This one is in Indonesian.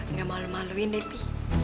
enggak malu maluin deh pi